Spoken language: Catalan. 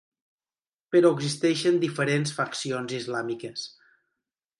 Però existeixen diferents faccions islàmiques.